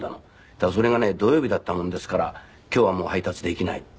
ただそれがね土曜日だったもんですから今日はもう配達できないって。